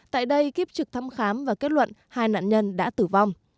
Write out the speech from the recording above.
tại đây kiếp trực thăm khám và kết luận hai nạn nhân đã tử vong